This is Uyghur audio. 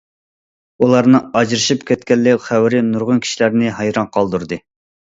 ئۇلارنىڭ ئاجرىشىپ كەتكەنلىك خەۋىرى نۇرغۇن كىشىلەرنى ھەيران قالدۇردى.